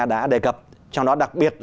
đã đề cập trong đó đặc biệt